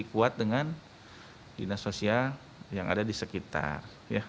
kuat dengan dinas sosial yang ada di sekitar